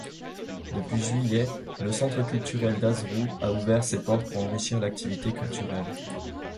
Depuis juillet, le Centre culturel d'Azrou a ouvert ses portes pour enrichir l'activité culturelle.